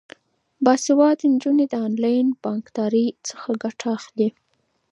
باسواده نجونې د انلاین بانکدارۍ څخه ګټه اخلي.